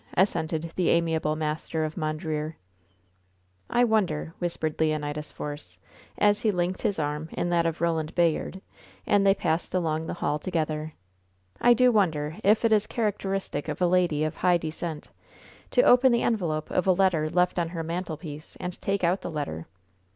assented the amiable master of Mondreer. "I wonder," whispered Leonidas Force, as he linked his arm in that of Roland Bayard, and they passed along the hall together, "I do wonder if it is characteristic of a lady of high descent to open the envelope of a letter left on her mantelpiece and take out the letter?